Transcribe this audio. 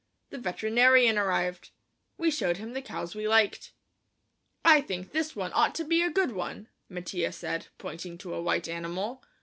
The veterinarian arrived. We showed him the cows we liked. "I think this one ought to be a good one," Mattia said, pointing to a white animal.